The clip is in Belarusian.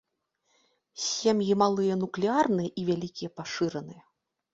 Сем'і малыя нуклеарныя і вялікія пашыраныя.